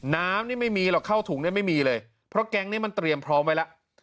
น้ำไม่มีหรอกเข้าถุงไม่มีเลยเพราะแก๊งมันเตรียมพร้อมไปแล้ว